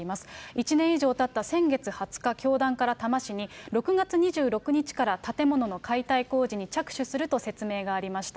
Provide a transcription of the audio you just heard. １年以上たった先月２０日、教団から多摩市に６月２６日から建物の解体工事に着手すると説明がありました。